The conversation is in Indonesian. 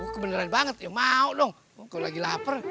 oh kebeneran banget ya mau dong kalo lagi lapar